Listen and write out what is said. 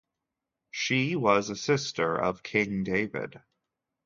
She was a sister of King David.